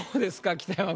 北山君。